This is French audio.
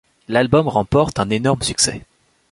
L'album remporte un énorme succès.